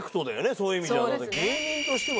そういう意味では。